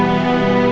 jangan bawa dia